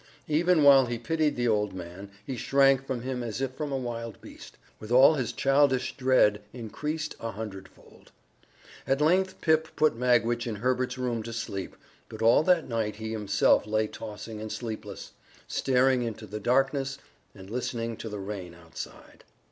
Even while he pitied the old man, he shrank from him as if from a wild beast, with all his childish dread increased a hundredfold. At length Pip put Magwitch in Herbert's room to sleep, but all that night he himself lay tossing and sleepless, staring into the darkness and listening to the rain outside.